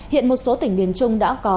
hiện một số tỉnh miền trung đã có